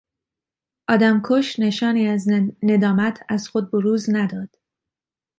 آدمکش نشانی از ندامت از خود بروز نداد.